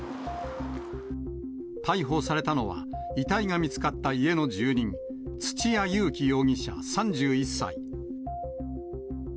逮捕されたのは、遺体が見つかった家の住人、土屋勇貴容疑者３１歳。